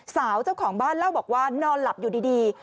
เจ้าของบ้านเล่าบอกว่านอนหลับอยู่ดี